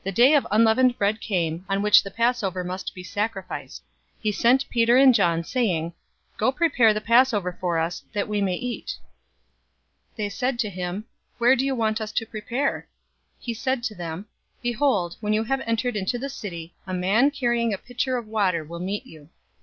022:007 The day of unleavened bread came, on which the Passover must be sacrificed. 022:008 He sent Peter and John, saying, "Go and prepare the Passover for us, that we may eat." 022:009 They said to him, "Where do you want us to prepare?" 022:010 He said to them, "Behold, when you have entered into the city, a man carrying a pitcher of water will meet you.